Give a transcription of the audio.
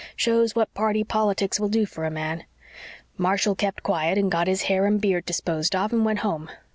Shows what party politics will do for a man. Marshall kept quiet and got his hair and beard disposed of and went home.